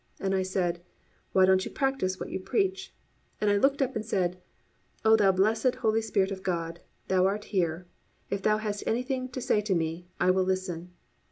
And I said, "Why don't you practice what you preach?" And I looked up and said, "O thou blessed Holy Spirit of God, thou art here, if thou hast anything to say to me, I will listen."